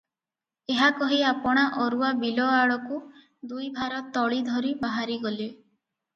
ଏହା କହି ଆପଣା ଅରୁଆ ବିଲ ଆଡ଼କୁ ଦୁଇ ଭାର ତଳି ଧରି ବାହାରି ଗଲେ ।